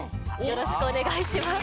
よろしくお願いします